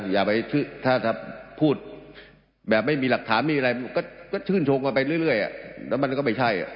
อย่าไปถ้าพูดแบบไม่มีหลักฐานมีอะไรก็ชื่นชมกันไปเรื่อยแล้วมันก็ไม่ใช่